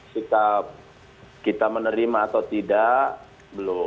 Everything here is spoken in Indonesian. sikap kita menerima atau tidak belum